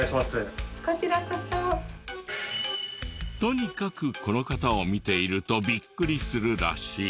とにかくこの方を見ているとビックリするらしい。